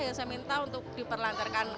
ya saya minta untuk diperlankan